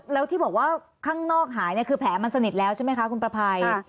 แล้วที่บอกว่าข้างนอกหายเนี่ยคือแผลมันสนิทแล้วใช่ไหมคะคุณประภัย